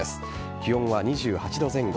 気温は２８度前後。